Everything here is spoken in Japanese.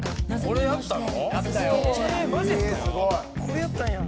これやったんや」